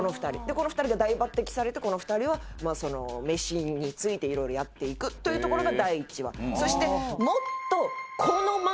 この２人が大抜擢されてこの２人はメシについていろいろやっていくというところが第１話。